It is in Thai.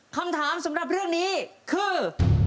คำถามสำหรับเรื่องนี้คือ